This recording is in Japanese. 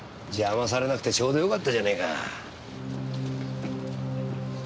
邪魔されなくてちょうど良かったじゃねえか。